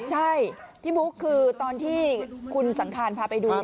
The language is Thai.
ใช่พี่บุ๊คคือตอนที่คุณสังคารพาไปดู